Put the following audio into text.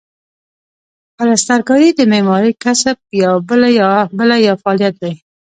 پلسترکاري د معمارۍ کسب یوه بله یا فعالیت دی.